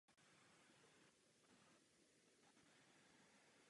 Je to zkušenost České republiky, Slovenska a východního Německa.